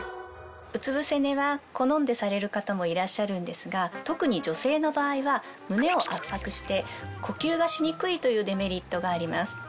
うつ伏せ寝は好んでされる方もいらっしゃるんですが特に女性の場合は胸を圧迫して呼吸がしにくいというデメリットがあります。